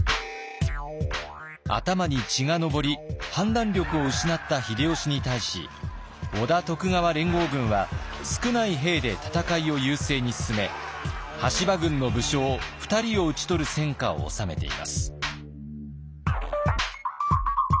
頭に血が上り判断力を失った秀吉に対し織田徳川連合軍は少ない兵で戦いを優勢に進め羽柴軍の武将２人を討ち取る戦果を収めています。